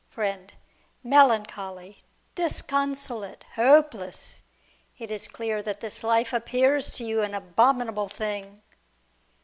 Friend. Melancholy, disconsolate, hopeless. It is clear that this life appears to you an abominable thing.